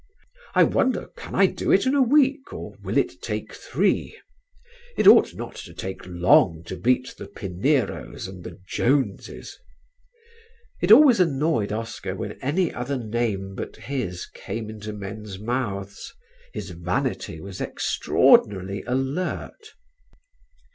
I wonder can I do it in a week, or will it take three? It ought not to take long to beat the Pineros and the Joneses." It always annoyed Oscar when any other name but his came into men's mouths: his vanity was extraordinarily alert.